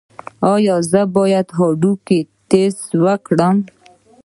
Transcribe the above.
ایا زه باید د هډوکو ټسټ وکړم؟